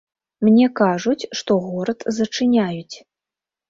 Мне кажуць, што горад зачыняюць.